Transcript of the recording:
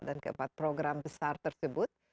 dan keempat program besar tersebut